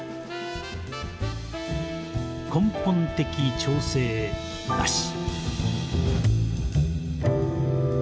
根本的調整なし」。